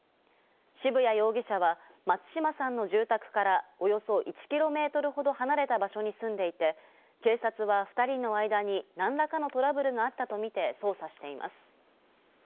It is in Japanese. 渋谷容疑者は松島さんの住宅からおよそ１キロほど離れた場所に住んでいて、警察は２人の間に何らかのトラブルがあったとみて捜査しています。